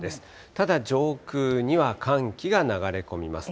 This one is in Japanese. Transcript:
ただ、上空には寒気が流れ込みます。